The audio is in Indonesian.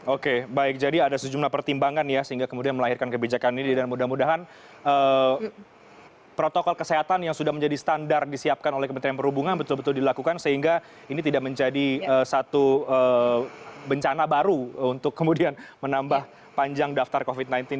oke baik jadi ada sejumlah pertimbangan ya sehingga kemudian melahirkan kebijakan ini dan mudah mudahan protokol kesehatan yang sudah menjadi standar disiapkan oleh kementerian perhubungan betul betul dilakukan sehingga ini tidak menjadi satu bencana baru untuk kemudian menambah panjang daftar covid sembilan belas